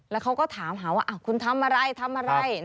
แล้วเขาก็ถามหาว่าคุณทำอะไร